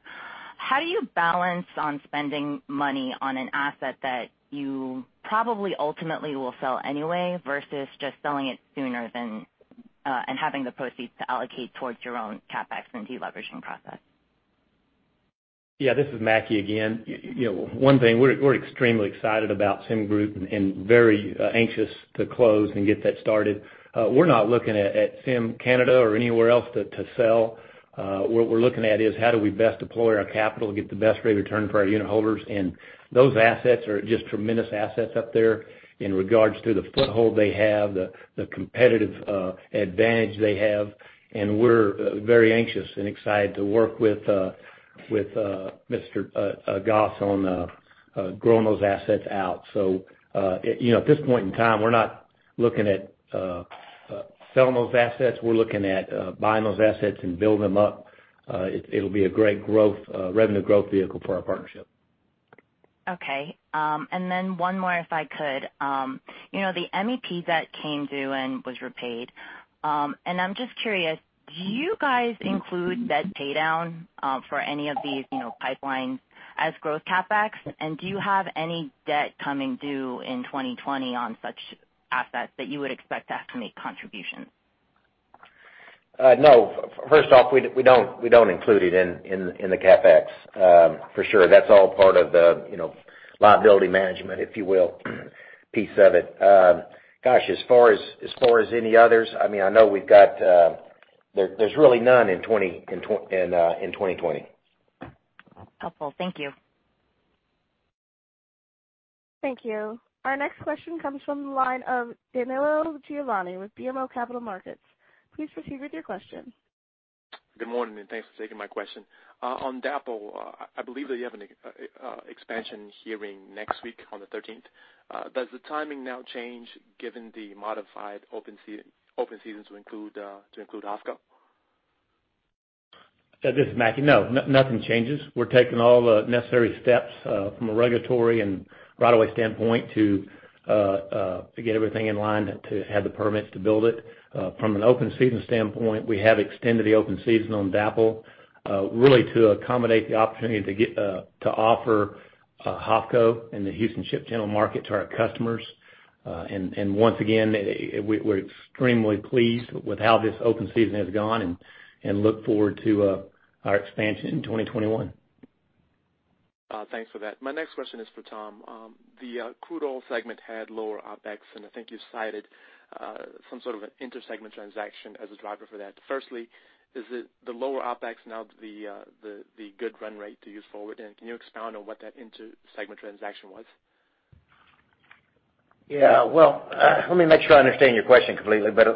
How do you balance on spending money on an asset that you probably ultimately will sell anyway, versus just selling it sooner and having the proceeds to allocate towards your own CapEx and de-leveraging process? Yeah, this is Mackie again. One thing, we're extremely excited about SemGroup and very anxious to close and get that started. We're not looking at SemCAMS or anywhere else to sell. What we're looking at is how do we best deploy our capital to get the best rate of return for our unit holders. Those assets are just tremendous assets up there in regards to the foothold they have, the competitive advantage they have, and we're very anxious and excited to work with Mr. Gosse on growing those assets out. At this point in time, we're not looking at selling those assets. We're looking at buying those assets and building them up. It'll be a great revenue growth vehicle for our partnership. Okay. One more, if I could. The MEP debt came due and was repaid. I'm just curious, do you guys include debt pay down for any of these pipelines as growth CapEx? Do you have any debt coming due in 2020 on such assets that you would expect to estimate contribution? No. First off, we don't include it in the CapEx. For sure. That's all part of the liability management, if you will, piece of it. Gosh, as far as any others, I know there's really none in 2020. Helpful. Thank you. Thank you. Our next question comes from the line of Danilo Juvane with BMO Capital Markets. Please proceed with your question. Good morning. Thanks for taking my question. On DAPL, I believe that you have an expansion hearing next week on the 13th. Does the timing now change given the modified open season to include [HFOTCO]? This is Mackie. No. Nothing changes. We're taking all the necessary steps from a regulatory and right-of-way standpoint to get everything in line to have the permits to build it. From an open season standpoint, we have extended the open season on DAPL, really to accommodate the opportunity to offer HFOTCO in the Houston Ship Channel market to our customers. Once again, we're extremely pleased with how this open season has gone and look forward to our expansion in 2021. Thanks for that. My next question is for Tom. The crude oil segment had lower OpEx. I think you cited some sort of an inter-segment transaction as a driver for that. Firstly, is it the lower OpEx now the good run rate to use forward? Can you expound on what that inter-segment transaction was? Let me make sure I understand your question completely. Let's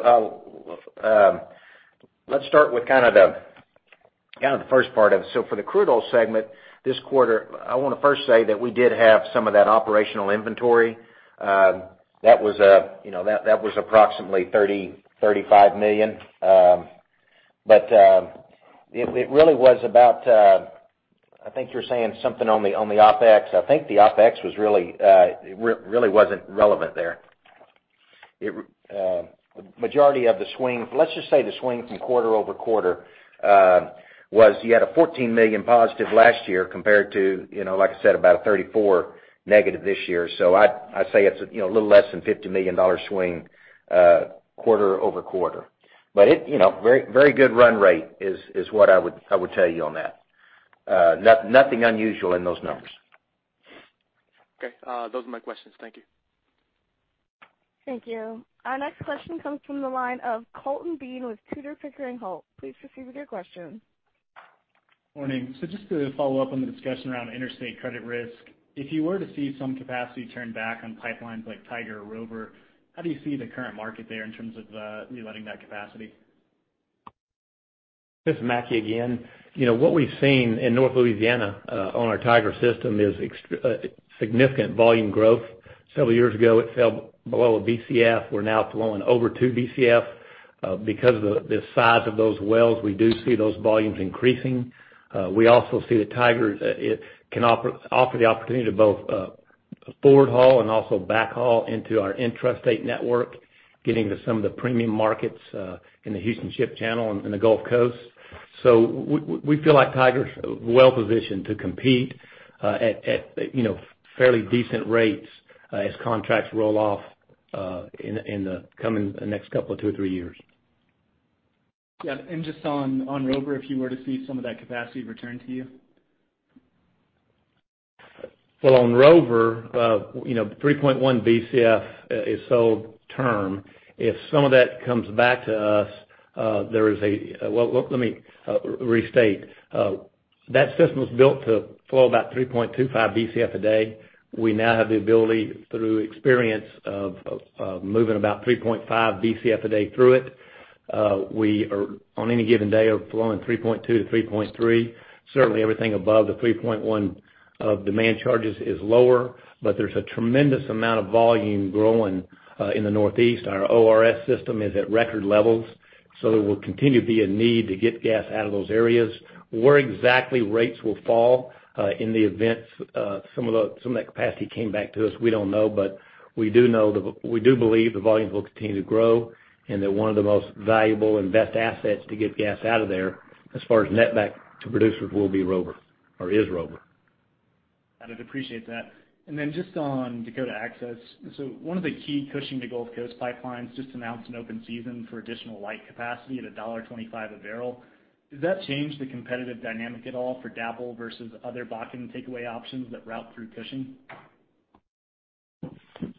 start with the first part of it. For the crude oil segment this quarter, I want to first say that we did have some of that operational inventory. That was approximately $30 million-$35 million. It really was about, I think you're saying something on the OpEx. I think the OpEx really wasn't relevant there. Let's just say the swing from quarter-over-quarter was, you had a $14 million positive last year compared to, like I said, about a $34 million negative this year. I'd say it's a little less than $50 million swing, quarter-over-quarter. Very good run rate is what I would tell you on that. Nothing unusual in those numbers. Okay. Those are my questions. Thank you. Thank you. Our next question comes from the line of Colton Bean with Tudor, Pickering, Holt. Please proceed with your question. Morning. Just to follow up on the discussion around interstate credit risk. If you were to see some capacity turn back on pipelines like Tiger or Rover, how do you see the current market there in terms of reletting that capacity? This is Mackie McCrea again. What we've seen in North Louisiana, on our Tiger system, is significant volume growth. Several years ago, it fell below a BCF. We're now flowing over 2 Bcf. Because of the size of those wells, we do see those volumes increasing. We also see that Tiger can offer the opportunity to both forward haul and also back haul into our intrastate network, getting to some of the premium markets in the Houston Ship Channel and the Gulf Coast. We feel like Tiger's well-positioned to compete at fairly decent rates as contracts roll off in the next couple of two or three years. Yeah. Just on Rover, if you were to see some of that capacity return to you? Well, on Rover 3.1 Bcf is sold term. If some of that comes back to use, let me just restate. That system was built to flow about 3.25 Bcf/d. We now have the ability, through experience of moving about 3.5 Bcf/d through it. We are, on any given day, are flowing 3.2 Bcf/d, 3.3 Bcf/d. Certainly everything above the 3.1 Bcf/d of demand charges is lower, but there's a tremendous amount of volume growing in the Northeast. Our ORS system is at record levels, so there will continue to be a need to get gas out of those areas. Where exactly rates will fall in the event some of that capacity came back to us, we don't know, but we do believe the volumes will continue to grow and that one of the most valuable and best assets to get gas out of there, as far as net back to producers will be Rover, or is Rover. Got it. Appreciate that. Just on Dakota Access. One of the key Cushing to Gulf Coast pipelines just announced an open season for additional light capacity at $1.25 a barrel. Does that change the competitive dynamic at all for DAPL versus other Bakken takeaway options that route through Cushing?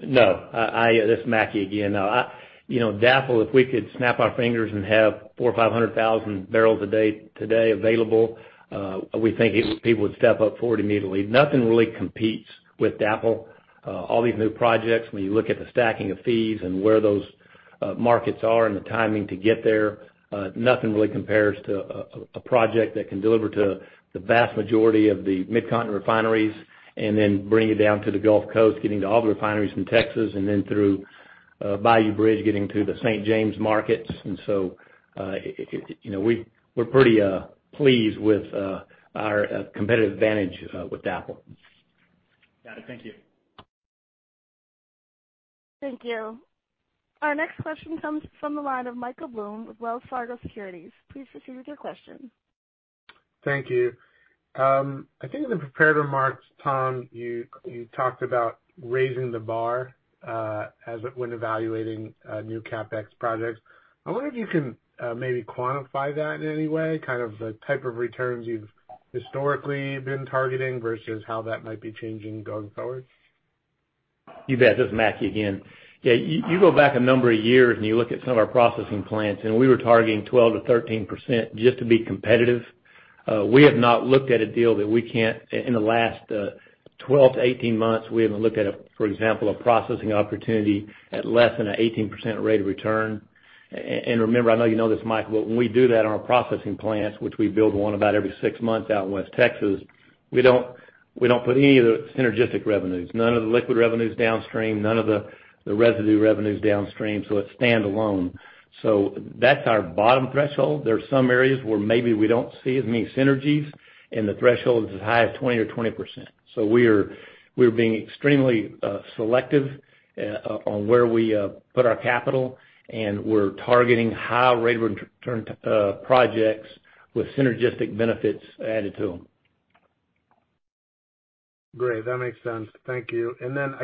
No. This is Mackie again. DAPL, if we could snap our fingers and have four or 500,000 bpd today available, we think people would step up forward immediately. Nothing really competes with DAPL. All these new projects, when you look at the stacking of fees and where those markets are and the timing to get there, nothing really compares to a project that can deliver to the vast majority of the Midcontinent refineries and then bring it down to the Gulf Coast, getting to all the refineries in Texas, and then through Bayou Bridge, getting to the St. James markets. We're pretty pleased with our competitive advantage with DAPL. Got it. Thank you. Thank you. Our next question comes from the line of Michael Blum with Wells Fargo Securities. Please proceed with your question. Thank you. I think in the prepared remarks, Tom, you talked about raising the bar when evaluating new CapEx projects. I wonder if you can maybe quantify that in any way, kind of the type of returns you've historically been targeting versus how that might be changing going forward. You bet. This is Mackie again. Yeah. You go back a number of years, you look at some of our processing plants, we were targeting 12%-13% just to be competitive. We have not looked at a deal, in the last 12-18 months, we haven't looked at, for example, a processing opportunity at less than an 18% rate of return. Remember, I know you know this, Mike, when we do that on our processing plants, which we build one about every six months out in West Texas, we don't put any of the synergistic revenues, none of the liquid revenues downstream, none of the residue revenues downstream, it's standalone. That's our bottom threshold. There are some areas where maybe we don't see as many synergies, the threshold is as high as 20%. We are being extremely selective on where we put our capital, and we're targeting high rate of return projects with synergistic benefits added to them. I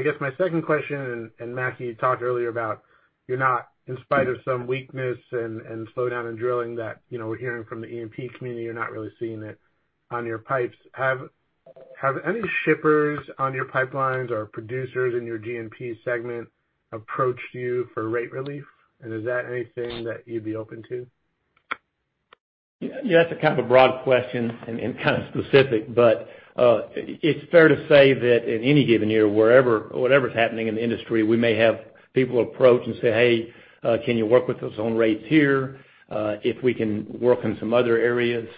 guess my second question, Mackie, you talked earlier about you're not, in spite of some weakness and slowdown in drilling that we're hearing from the E&P community, you're not really seeing it on your pipes. Have any shippers on your pipelines or producers in your G&P segment approached you for rate relief? Is that anything that you'd be open to? Yeah, that's a kind of a broad question and kind of specific, but it's fair to say that in any given year, whatever's happening in the industry, we may have people approach and say, "Hey, can you work with us on rates here?" If we can work in some other areas.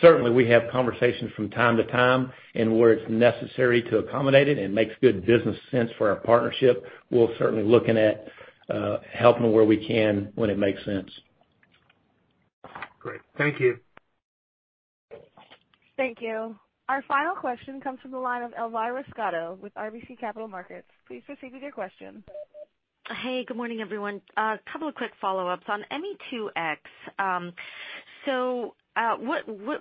Certainly we have conversations from time to time, and where it's necessary to accommodate it and makes good business sense for our partnership, we'll certainly looking at helping where we can when it makes sense. Great. Thank you. Thank you. Our final question comes from the line of Elvira Scotto with RBC Capital Markets. Please proceed with your question. Hey, good morning, everyone. A couple of quick follow-ups. On ME2X,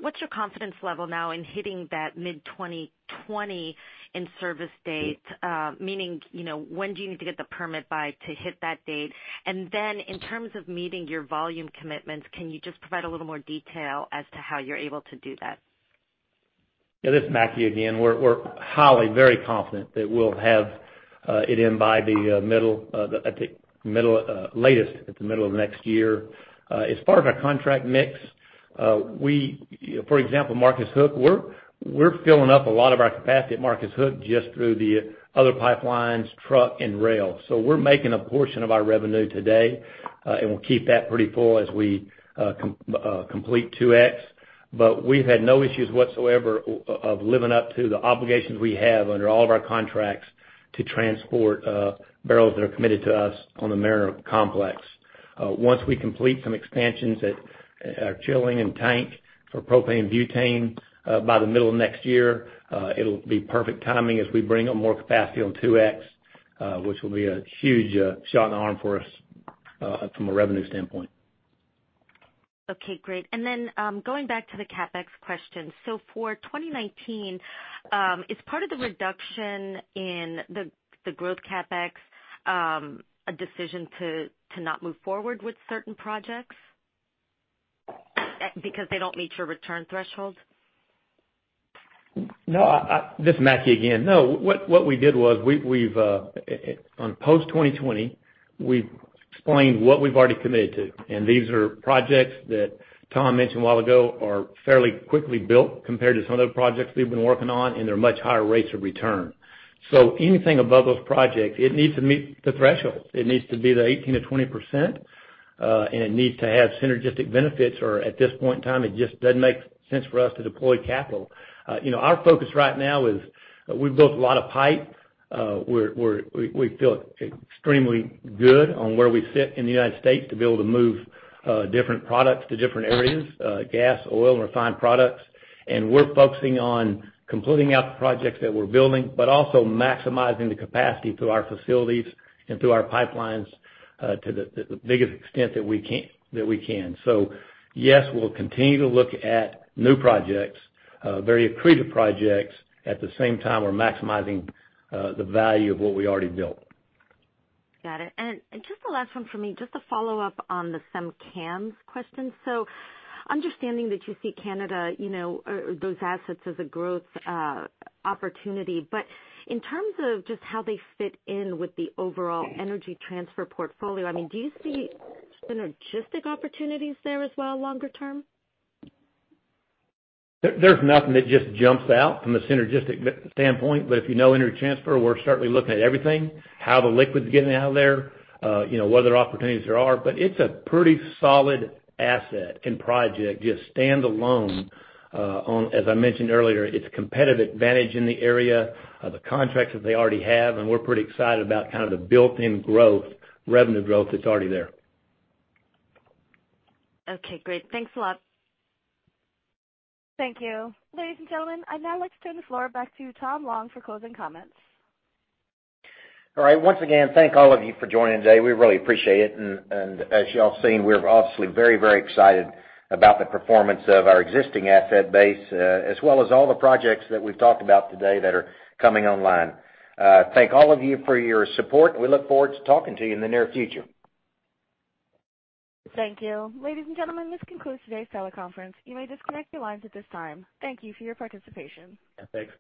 what's your confidence level now in hitting that mid-2020 in-service date? Meaning, when do you need to get the permit by to hit that date? In terms of meeting your volume commitments, can you just provide a little more detail as to how you're able to do that? Yeah, this is Mackie again. We're highly, very confident that we'll have it in by latest at the middle of next year. As far as our contract mix, for example, Marcus Hook, we're filling up a lot of our capacity at Marcus Hook just through the other pipelines, truck, and rail. We're making a portion of our revenue today, and we'll keep that pretty full as we complete 2X. We've had no issues whatsoever of living up to the obligations we have under all of our contracts to transport barrels that are committed to us on the Mariner complex. Once we complete some expansions at our chilling and tank for propane butane, by the middle of next year, it'll be perfect timing as we bring on more capacity on 2X, which will be a huge shot in the arm for us from a revenue standpoint. Okay, great. Going back to the CapEx question. For 2019, is part of the reduction in the growth CapEx a decision to not move forward with certain projects because they don't meet your return threshold? This is Mackie again. What we did was, on post 2020, we've explained what we've already committed to. These are projects that Tom mentioned a while ago are fairly quickly built compared to some of the projects we've been working on. They're much higher rates of return. Anything above those projects, it needs to meet the threshold. It needs to be the 18%-20%. It needs to have synergistic benefits. At this point in time, it just doesn't make sense for us to deploy capital. Our focus right now is we've built a lot of pipe. We feel extremely good on where we sit in the U.S. to be able to move different products to different areas, gas, oil, refined products. We're focusing on completing out the projects that we're building, but also maximizing the capacity through our facilities and through our pipelines to the biggest extent that we can. Yes, we'll continue to look at new projects, very accretive projects. At the same time, we're maximizing the value of what we already built. Got it. Just the last one for me, just to follow up on the SemCAMS Canada questions. Understanding that you see Canada, those assets as a growth opportunity, but in terms of just how they fit in with the overall Energy Transfer portfolio, do you see synergistic opportunities there as well longer term? There's nothing that just jumps out from a synergistic standpoint, but if you know Energy Transfer, we're certainly looking at everything, how the liquid's getting out of there, what other opportunities there are. It's a pretty solid asset and project, just standalone on, as I mentioned earlier, its competitive advantage in the area, the contracts that they already have, and we're pretty excited about kind of the built-in growth, revenue growth that's already there. Okay, great. Thanks a lot. Thank you. Ladies and gentlemen, I'd now like to turn the floor back to Tom Long for closing comments. All right. Once again, thank all of you for joining today. We really appreciate it. As you all seen, we're obviously very excited about the performance of our existing asset base, as well as all the projects that we've talked about today that are coming online. Thank all of you for your support, and we look forward to talking to you in the near future. Thank you. Ladies and gentlemen, this concludes today's teleconference. You may disconnect your lines at this time. Thank you for your participation.